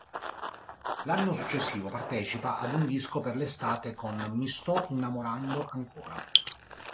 L'anno successivo partecipa ad Un disco per l'estate con "Mi sto innamorando ancora".